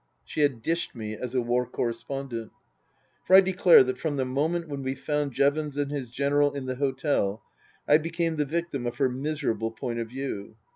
She had dished me as a war correspondent. For I declare that from the moment when we found Jevons and his General in the hotel I became the victim of her miserable point of view.